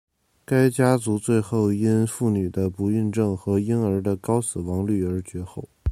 该家族最后因妇女的不孕症和婴儿的高死亡率而绝后。